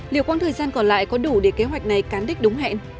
liệu quãng thời gian còn lại có đủ để kế hoạch này cán đích đúng hẹn